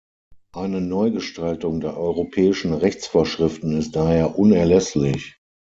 Eine Neugestaltung der europäischen Rechtsvorschriften ist daher unerlässlich.